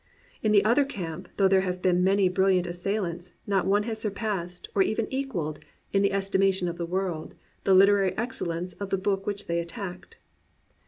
In the other camp, though there have been many brilHant assailants, not one has surpassed, or even equalled, in the estimation of the world, the literary excellence of the book which they attacked.